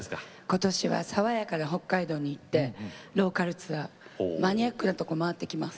今年は爽やかな北海道に行ってローカルツアーマニアックなとこ回ってきます。